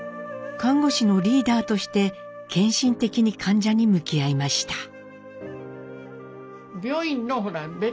看護師のリーダーとして献身的に患者に向き合いました。